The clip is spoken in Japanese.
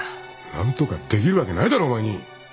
何とかできるわけないだろお前に。